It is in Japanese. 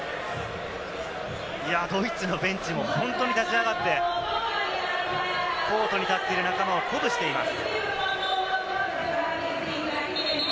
ドイツのベンチも本当に立ち上がって、コートに立っている仲間を鼓舞しています。